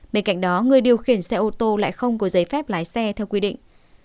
bên cạnh đó người điều khiển xe ô tô lại không có giấy phép lái xe theo quy định